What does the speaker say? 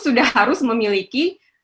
sudah harus memiliki